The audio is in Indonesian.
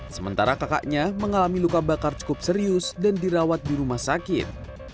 sementara kakaknya mengalami luka bakar cukup serius dan dirawat di rumah sakit